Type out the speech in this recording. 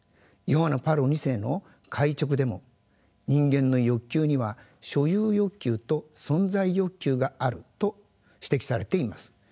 ヨハネ・パウロ２世の回勅でも人間の欲求には所有欲求と存在欲求があると指摘されています。